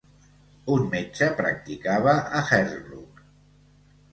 Un metge, practicava a Hersbruck.